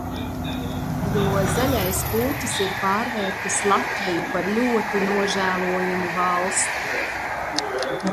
Jo zaļais pūķis ir pārvērtis Latviju par ļoti nožēlojamu valsti.